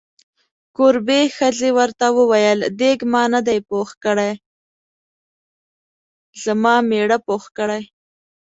کوربې ښځې ورته وویل: دیګ ما نه دی پوخ کړی، زما میړه پوخ کړی.